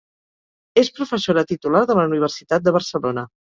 És professora titular de la Universitat de Barcelona.